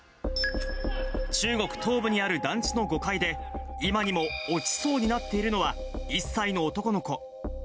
中国東部にある団地の５階で、今にも落ちそうになっているのは、１歳の男の子。